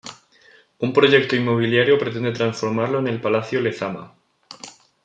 Un proyecto inmobiliario pretende transformarlo en el Palacio Lezama.